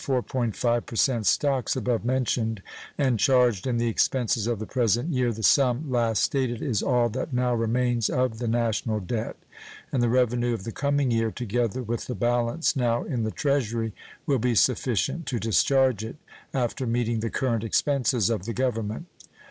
5% stocks above mentioned, and charged in the expenses of the present year, the sum last stated is all that now remains of the national debt; and the revenue of the coming year, together with the balance now in the Treasury, will be sufficient to discharge it, after meeting the current expenses of the Government.